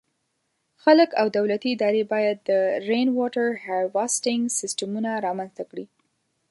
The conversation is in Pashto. خلک او دولتي ادارې باید د “Rainwater Harvesting” سیسټمونه رامنځته کړي.